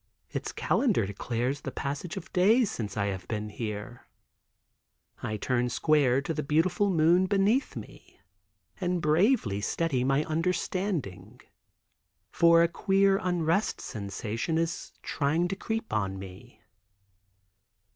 Its calendar declares the passage of days since I have been here. I turn square to the beautiful moon beneath me and bravely steady my understanding, for a queer unrest sensation is trying to creep on me.